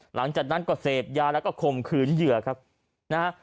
หลังจากนั้นก็เสพยาแล้วก็ข่มขืนเหยื่อครับนะฮะ